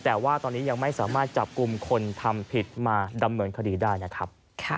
แต่ว่าตอนนี้ยังไม่สามารถจับกลุ่มคนทำผิดมาดำเนินคดีได้นะครับ